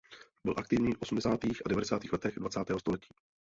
Byl aktivní v osmdesátých a devadesátých letech dvacátého století.